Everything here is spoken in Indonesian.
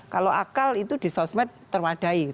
kalau akal itu di sosmed terwadai